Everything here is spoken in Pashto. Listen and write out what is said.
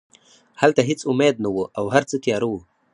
هلته هېڅ امید نه و او هرڅه تیاره وو